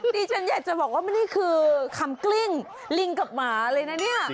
ดิฉันอยากจะบอกว่านี่คือคำกลิ้งลิงกับหมาเลยนะเนี่ย